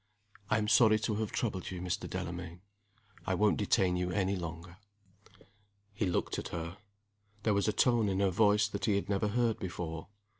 "I am sorry to have troubled you, Mr. Delamayn. I won't detain you any longer." He looked at her. There was a tone in her voice that he had never heard before.